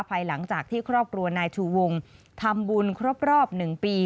ภายหลังจากที่ครอบครัวนายชูวงทำบุญครบรอบ๑ปี